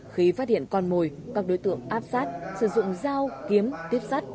khi phát hiện con mồi các đối tượng áp sát sử dụng dao kiếm tiếp sát